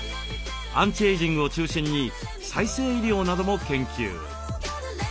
アンチエイジングを中心に再生医療なども研究。